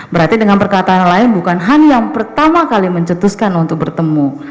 berarti dengan perkataan lain bukan hanya yang pertama kali mencetuskan untuk bertemu